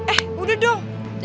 eh udah dong